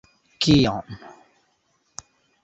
Kion!